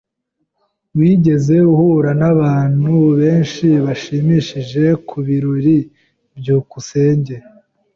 Wigeze uhura nabantu benshi bashimishije mubirori? byukusenge